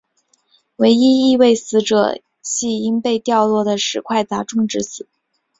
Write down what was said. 唯一一位死者系因被掉落的石块砸中致死。